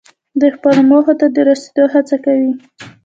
دوی خپلو موخو ته د رسیدو هڅه کوي.